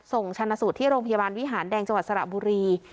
ชันสูตรที่โรงพยาบาลวิหารแดงจังหวัดสระบุรี